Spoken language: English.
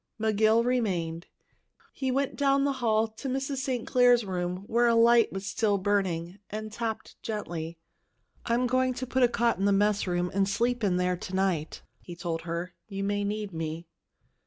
McGill remained. He went down the hall to Mrs. St. Clair's room, where a light was still burning, and tapped gently. "I'm going to put a cot in the mess room and sleep in there to night," he told her. "You may need me."